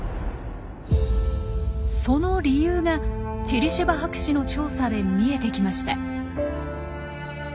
その理由がチェリシェバ博士の調査で見えてきました。